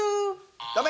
ダメ！